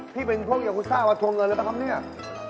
พี่เป็นพวกอยากุศเซาะทวงงานหรือเปล่าครับ